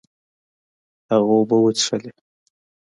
هغه اوبه وڅښلې.